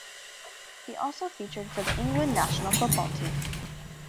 He also featured for the England national football team.